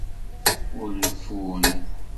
Ur reffun.